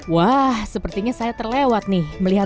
wah sepertinya saya terlewat nih melihat